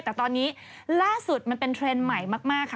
แต่ตอนนี้ล่าสุดมันเป็นเทรนด์ใหม่มากค่ะ